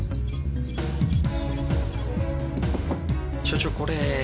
所長これ。